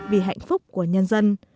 vì hạnh phúc của nhân dân